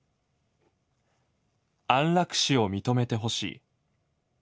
「安楽死を認めて欲しい。